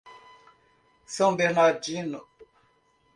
São Bernardino